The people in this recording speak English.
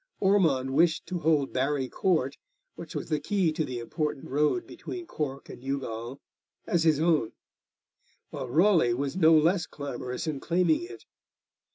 Ormond wished to hold Barry Court, which was the key to the important road between Cork and Youghal, as his own; while Raleigh was no less clamorous in claiming it.